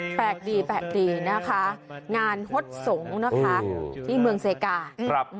แปลกดีนะคะงานฮดสงฆ์นะคะที่เมืองเศรษฐ์กา